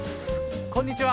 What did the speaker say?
こんにちは！